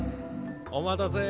お待たせ。